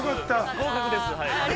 ◆合格です。